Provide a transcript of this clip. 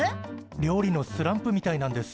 料理のスランプみたいなんです。